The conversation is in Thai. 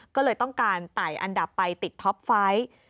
ก็เลยต้องการไต่อันดับไปติดท็อปไฟต์